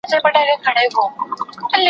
زه اوس د سبا لپاره د ژبي تمرين کوم..